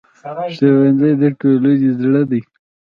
ښوونځی د ټولنې زړه دی